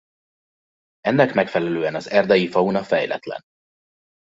Ennek megfelelően az erdei fauna fejletlen.